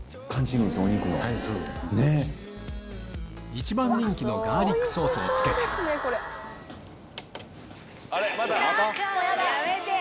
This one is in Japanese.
一番人気のガーリックソースをつけてやめてよ！